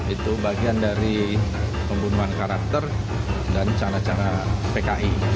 itu bagian dari pembunuhan karakter dan cara cara pki